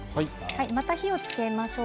また火をつけましょう。